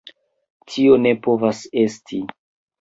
Tio ne povas esti!